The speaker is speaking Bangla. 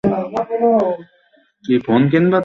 আমার স্কেচটির সেই লোকের কোন খবর পেয়েছেন?